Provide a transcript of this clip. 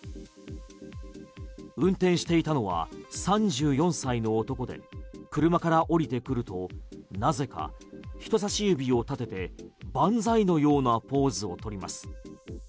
運転していたのは３４歳の男で車から降りてくるとなぜか人差し指を立てて万歳のようなポーズをとります。